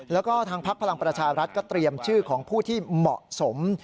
แล้วก็ทางพักพลังประชารัฐก็เตรียมชื่อของผู้ที่เหมาะสม